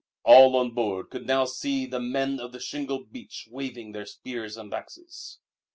All on board could now see the Men of the Shingle Beach waving their spears and axes.